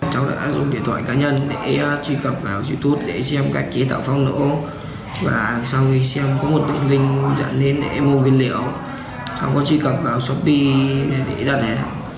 cháu đã dùng điện thoại cá nhân để truy cập vào youtube để xem cách kế tạo pháo nổ và sau khi xem có một tổng hình dẫn đến để mua viên liệu cháu có truy cập vào shopee để đặt hẹp